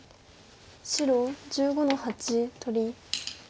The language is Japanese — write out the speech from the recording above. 白１５の八取り。